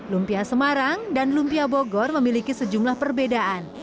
lumpia semarang dan lumpia bogor memiliki sejumlah perbedaan